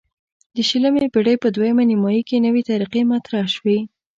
د شلمې پیړۍ په دویمه نیمایي کې نوې طریقې مطرح شوې.